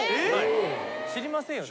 知りませんよね？